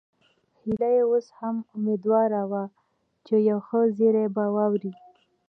هيله اوس هم اميدواره وه چې یو ښه زیری به واوري